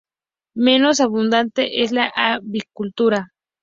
Menos abundante es la avicultura.